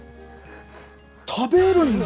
食べるんだ。